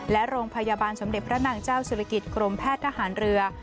และโรงพยาบาลสมเด็จพระนางเจ้าศิริกิจกรมแพทย์ทหารเรือ